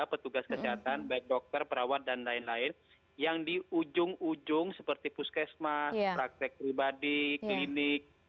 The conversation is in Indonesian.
petugas kesehatan baik dokter perawat dan lain lain yang di ujung ujung seperti puskesmas praktek pribadi klinik